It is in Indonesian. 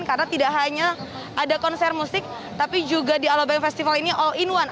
karena tidak hanya ada konser musik tapi juga di alobeng festival ini all in one